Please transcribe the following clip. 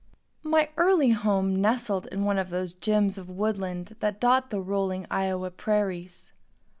My early home nestled in one of those gems of woodland that dot the rolling Iowa prairies.